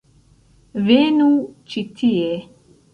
Venu ĉi tie